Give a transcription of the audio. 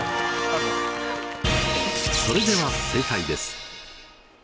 それでは正解です。